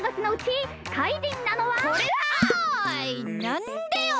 なんでよ！？